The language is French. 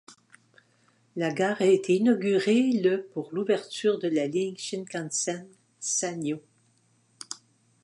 La gare a été inaugurée le pour l'ouverture de la ligne Shinkansen Sanyō.